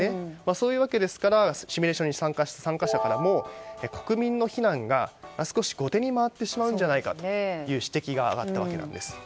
そういうわけですからシミュレーション参加者からも国民の避難が少し後手に回ってしまうんじゃないかという指摘が上がりました。